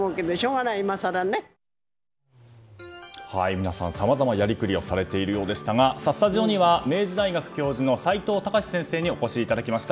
皆さん、さまざまやりくりをされているようでしたがスタジオには明治大学教授の齋藤孝先生にお越しいただきました。